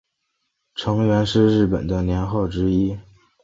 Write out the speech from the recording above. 承元是日本的年号之一。